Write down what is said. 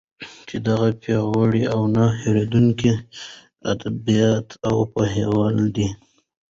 چې دغه پیاوړي او نه هیردونکي ادېبان او پوهیالان